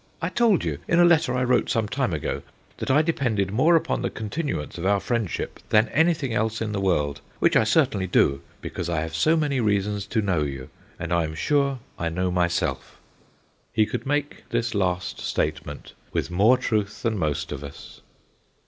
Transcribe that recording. I told you, in a letter I wrote some time ago, that I depended more upon the continuance of our friendship than anything else in the world, which I certainly do, because I have so many reasons to know you, and I am sure I know myself/ He could make this last statement with more truth than most of us.